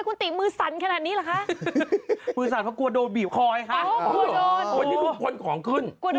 ต้องพูดอะไรคุณคุณอ่ะอะไรโอ้ควรวันนี้คุณติลงพื้นที่